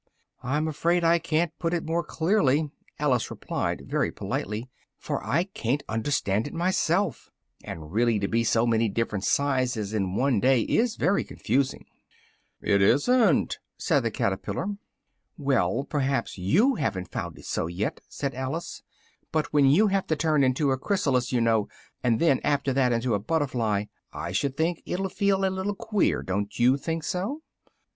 "I'm afraid I can't put it more clearly," Alice replied very politely, "for I ca'n't understand it myself, and really to be so many different sizes in one day is very confusing." "It isn't," said the caterpillar. "Well, perhaps you haven't found it so yet," said Alice, "but when you have to turn into a chrysalis, you know, and then after that into a butterfly, I should think it'll feel a little queer, don't you think so?"